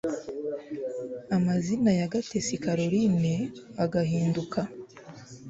amazina ya gatesi caroline agahinduka